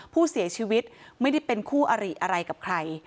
ผู้เสียชีวิตไม่ได้เป็นคู่อริอะไรกับใคร